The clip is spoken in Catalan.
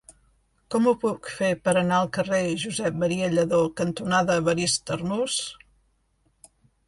Com ho puc fer per anar al carrer Josep M. Lladó cantonada Evarist Arnús?